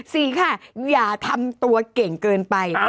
สี่ค่ะอย่าทำตัวเก่งเกินไป